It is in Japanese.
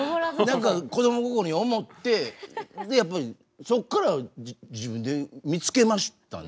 何か子供心に思ってやっぱりそこから自分で見つけましたね。